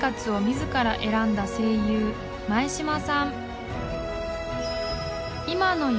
自ら選んだ声優前島さん］